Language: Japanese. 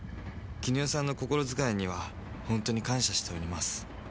「絹代さんの心遣いには本当に感謝しております」